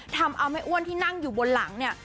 ทำเอาแม่อ้วนที่นั่งอยู่บนหลังเนี่ย